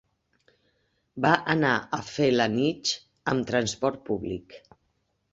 Va anar a Felanitx amb transport públic.